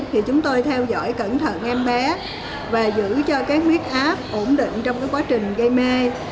thì chúng tôi theo dõi cẩn thận em bé và giữ cho cái huyết áp ổn định trong cái quá trình gây mê